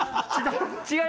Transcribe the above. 違う？